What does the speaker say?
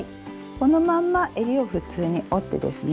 このまんまえりを普通に折ってですね